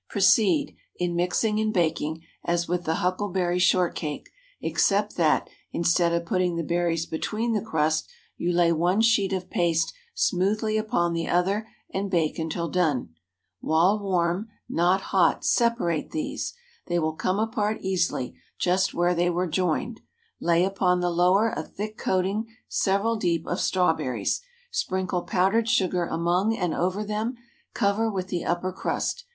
Proceed, in mixing and baking, as with the huckleberry short cake, except that, instead of putting the berries between the crust, you lay one sheet of paste smoothly upon the other, and bake until done. While warm—not hot—separate these. They will come apart easily, just where they were joined. Lay upon the lower a thick coating several deep, of strawberries; sprinkle powdered sugar among and over them; cover with the upper crust.